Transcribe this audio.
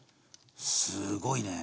すごいね。